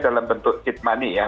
dalam bentuk seat money ya